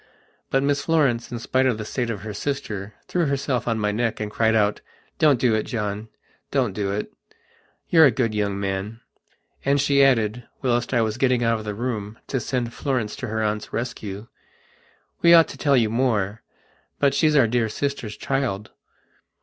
But Miss Florence, in spite of the state of her sister, threw herself on my neck and cried out: "Don't do it, John. Don't do it. You're a good young man," and she added, whilst I was getting out of the room to send Florence to her aunt's rescue: "We ought to tell you more. But she's our dear sister's child."